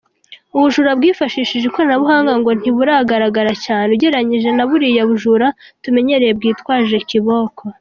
Ubujura bwifashishije ikoranabunga ngo ntiburagaragara cyane ugereranyije naburiya bujura tumenyereye bwitwaje kiboko.